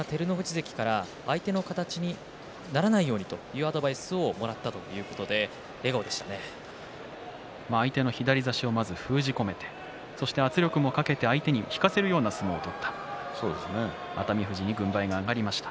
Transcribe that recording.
関から相手の形にならないようにというアドバイスをもらった相手の左差しをまず封じ込めてそして、圧力もかけて相手に引かせるような相撲を取った熱海富士に軍配が上がりました。